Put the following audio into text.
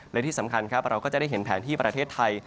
และที่สำคัญครับเราก็จะได้เห็นแผนที่ประเทศไทย